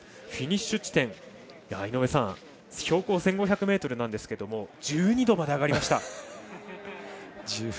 フィニッシュ地点標高１５００ｍなんですけれども１２度まで上がりました。